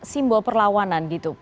simbol perlawanan gitu